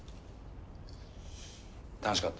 楽しかった？